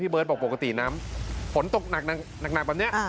เบิร์ตบอกปกติน้ำฝนตกหนักแบบนี้